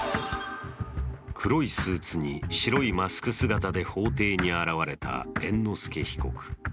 黒いスーツに白いマスク姿で法廷に現れた猿之助被告。